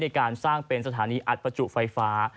การสร้างเป็นสถานีอัดประจุไฟฟ้า